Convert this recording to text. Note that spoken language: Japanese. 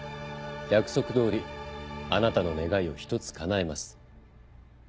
約束どおりあなたの願いを一つかなえます。